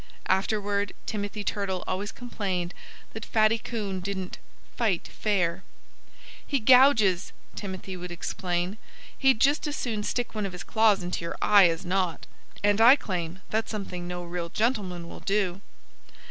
Afterward Timothy Turtle always complained that Fatty Coon didn't "fight fair." "He gouges," Timothy would explain. "He'd just as soon stick one of his claws into your eye as not. And I claim that's something no real gentleman will do."